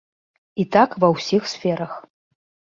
І так ва ўсіх сферах.